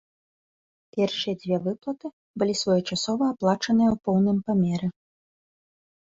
Першыя дзве выплаты былі своечасова аплачаныя ў поўным памеры.